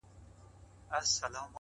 ژړا ـ سلگۍ زما د ژوند د تسلسل نښه ده ـ